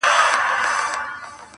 راسه چي له ځان سره ملنګ دي کم٫